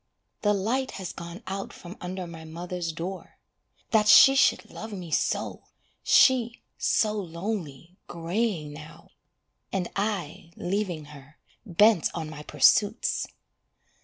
The light has gone out from under my mother's door. That she should love me so, She, so lonely, greying now, And I leaving her, Bent on my pursuits!